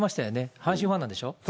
阪神ファンなんでしょ。